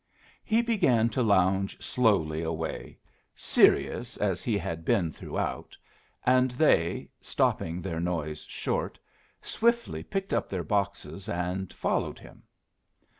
He began to lounge slowly away, serious as he had been throughout, and they, stopping their noise short, swiftly picked up their boxes, and followed him.